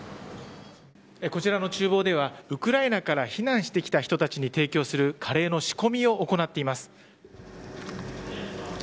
こちらの厨房ではウクライナから避難してきた人たちに提供するカレーの仕込みを行っています。